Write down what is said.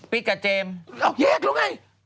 ปิ๊กกับเจมส์เอ้าแยกแล้วไง